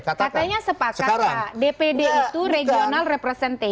katanya sepakat pak dpd itu regional representation